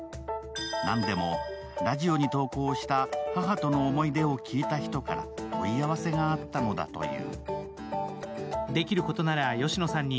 何でもラジオに投稿した母との思い出を聞いた人から問い合わせがあったのだという。